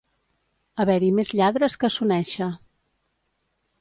Haver-hi més lladres que a Soneixa.